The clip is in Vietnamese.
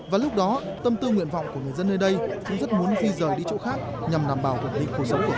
và lúc đó tâm tư nguyện vọng của người dân nơi đây chúng rất muốn phi dời đi chỗ khác nhằm đảm bảo quản lý cuộc sống của họ